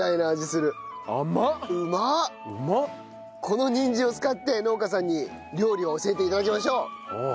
このにんじんを使って農家さんに料理を教えて頂きましょう。